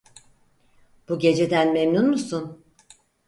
Bu geceden memnun musun?